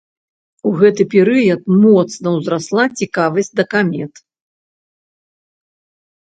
У гэты перыяд моцна ўзрасла цікавасць да камет.